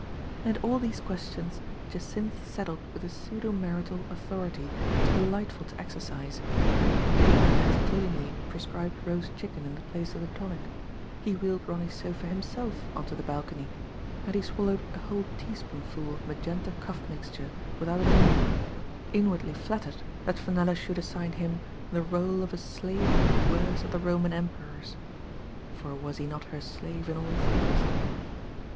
And all these ques tions Jacynth settled with a pseudo marital authority it was delightful to exercise. He un hesitatingly prescribed roast chicken in the place of the tonic; he wheeled Ronny 's sofa himself on to the balcony; and he swallowed a whole teaspoonful of magenta cough mixture without a murmur, inwardly flattered that Fenella should assign him the rdle of a slave of the worst of the Roman Emperors (for was he not her slave in all things).